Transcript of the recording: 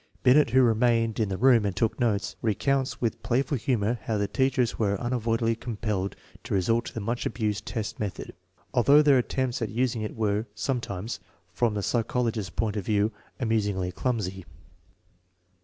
Binet, who remained in the room and took notes, recounts with play ful humor how the teachers were unavoidably compelled to resort to the much abused test method, although their attempts at using it were sometimes, from the psycholo gist's point of view, amusingly clumsy.